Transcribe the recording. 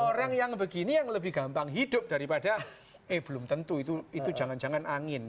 orang yang begini yang lebih gampang hidup daripada eh belum tentu itu jangan jangan angin